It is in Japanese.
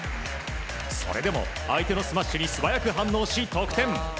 それでも、相手のスマッシュに素早く反応し得点。